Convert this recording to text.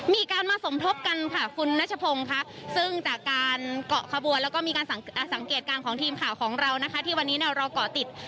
มีการมาสมทบกันค่ะคุณนัชพงศ์ค่ะซึ่งจากการเกาะขบวนแล้วก็มีการสังเกตการณ์ของทีมข่าวของเรานะคะที่วันนี้เนี่ยเราเกาะติด